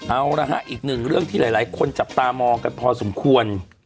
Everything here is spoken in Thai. เอาละฮะอีกหนึ่งเรื่องที่หลายคนจับตามองกันพอสมควร